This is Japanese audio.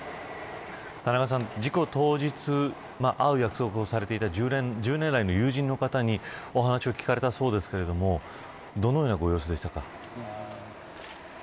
田中さん、事故当日会う約束をされていた１０年来の友人の方にお話を聞かれたそうですがどのようなご様子でしたか。